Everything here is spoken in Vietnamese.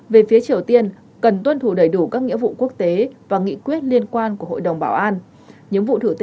về phía triều tiên cần tuân thủ đầy đủ các nghĩa vụ quốc tế và nghị quyết liên quan của hội đồng bảo an